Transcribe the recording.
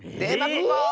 ここ！